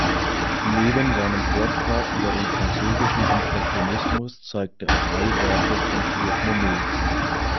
Neben seinem Vortrag über den französischen Impressionismus zeigte er drei Werke von Claude Monet.